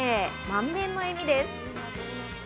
満面の笑みです。